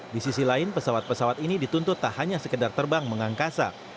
di sisi lain pesawat pesawat ini dituntut tak hanya sekedar terbang mengangkasa